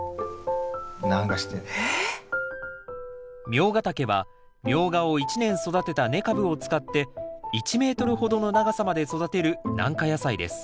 ミョウガタケはミョウガを１年育てた根株を使って１ｍほどの長さまで育てる軟化野菜です